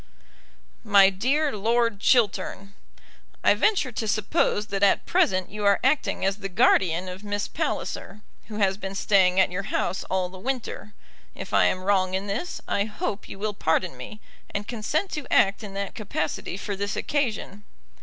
MY DEAR LORD CHILTERN, I venture to suppose that at present you are acting as the guardian of Miss Palliser, who has been staying at your house all the winter. If I am wrong in this I hope you will pardon me, and consent to act in that capacity for this occasion.